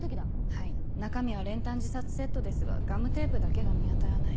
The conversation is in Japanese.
はい中身は練炭自殺セットですがガムテープだけが見当たらない。